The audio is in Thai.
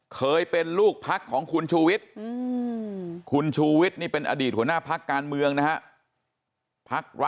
เคยเป็นลูกพักของคุณชูวิทย์คุณชูวิทย์นี่เป็นอดีตหัวหน้าพักการเมืองนะฮะ